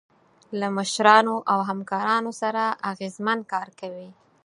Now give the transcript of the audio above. له مشرانو او همکارانو سره اغیزمن کار کوئ.